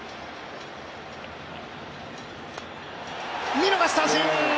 見逃し三振！